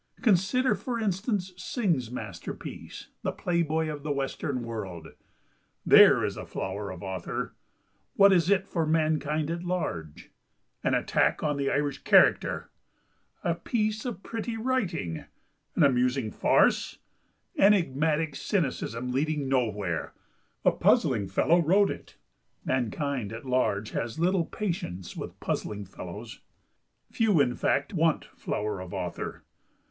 Consider, for instance, Synge's masterpiece, "The Playboy of the Western World!" There is flower of author! What is it for mankind at large? An attack on the Irish character! A pretty piece of writing! An amusing farce! Enigmatic cynicism leading nowhere! A puzzling fellow wrote it! Mankind at large has little patience with puzzling fellows. Few, in fact, want flower of author.